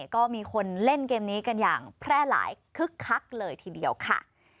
ก็มีคนเล่นเกมนี้กันอย่างแพร่หลายคึกคักเลยทีเดียวค่ะ